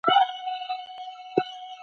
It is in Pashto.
د عمر له بدلون سره اړتیا بدلېږي.